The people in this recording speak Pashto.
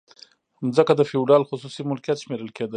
ځمکه د فیوډال خصوصي ملکیت شمیرل کیده.